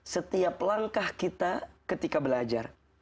setiap langkah kita ketika belajar